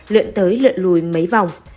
lượn tới lượn lùi mấy vòng